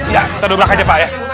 ya kita dobrak aja pak ya